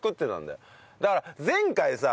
だから前回さ。